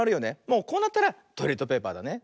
もうこうなったらトイレットペーパーだね。